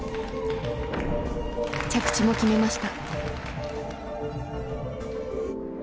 着地も決めました。